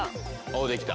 おできた。